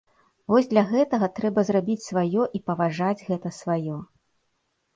Вось для гэтага трэба зрабіць сваё і паважаць гэта сваё.